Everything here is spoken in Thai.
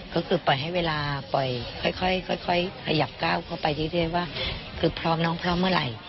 ก็คือปล่อยให้เวลาปล่อยค่อยขยับก้าวเข้าไปเรื่อยว่าคือพร้อมน้องพร้อมเมื่อไหร่